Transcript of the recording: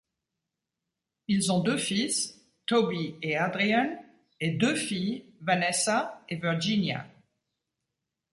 Ils ont deux fils, Thoby et Adrian, et deux filles, Vanessa et Virginia.